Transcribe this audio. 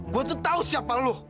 gue tuh tahu siapa lo